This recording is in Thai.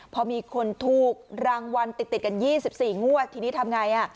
พอมีคนถูกรางวัลติดติดกันยี่สิบสี่งวดทีนี้ทำไงอ่ะ